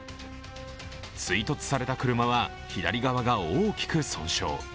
追突された車は左側が大きく損傷。